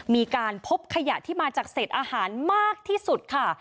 มีการพบขยะที่มาจากเศษอาหารมากที่สุดค่ะ